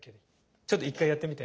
ちょっと１回やってみて。